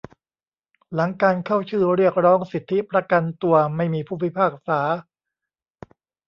หลังการเข้าชื่อเรียกร้องสิทธิประกันตัว ไม่มีผู้พิพากษา